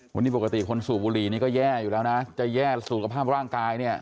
วันนี้ปกติคนสูบบุหรี่นี่ก็แย่อยู่แล้วนะจะแย่สุขภาพร่างกายเนี่ย